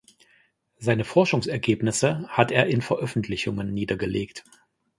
Seine Forschungsergebnisse hat er in Veröffentlichungen niedergelegt.